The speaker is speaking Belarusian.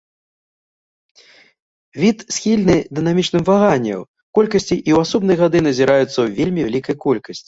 Від схільны дынамічным ваганняў колькасці і ў асобныя гады назіраецца ў вельмі вялікай колькасці.